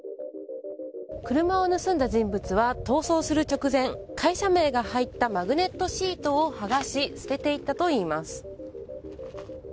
車を盗んだ人物は逃走する直前会社名が入ったマグネットシートを剥がし捨てていったといいます。